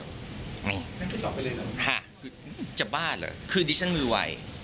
นี่ค่ะจะบ้าเหรอคือดิฉันมือวัย